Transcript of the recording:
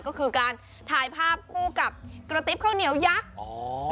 ก็คือการถ่ายภาพคู่กับกระติ๊บข้าวเหนียวยักษ์อ๋อ